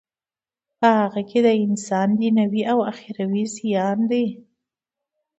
په هغه کی د انسان دینوی او اخروی زیان دی.